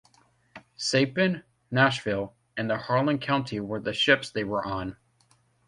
Saipan, Nashville, and the Harland County were the ships they were on.